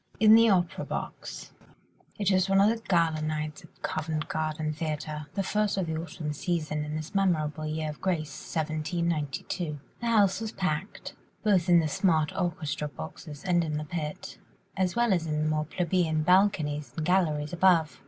IN THE OPERA BOX It was one of the gala nights at Covent Garden Theatre, the first of the autumn season in this memorable year of grace 1792. The house was packed, both in the smart orchestra boxes and the pit, as well as in the more plebeian balconies and galleries above.